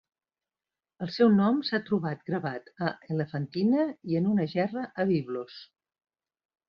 El seu nom s'ha trobat gravat a Elefantina i en una gerra a Biblos.